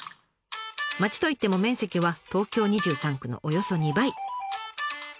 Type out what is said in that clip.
町といっても面積は東京２３区のおよそ２倍！